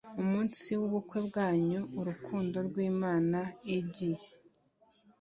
umunsi w ubukwe bwanyu Urukundo rw Imana igi